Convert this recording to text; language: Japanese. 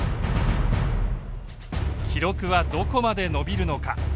記録はどこまで伸びるのか。